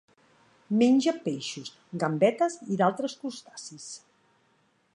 Menja peixos, gambetes i d'altres crustacis.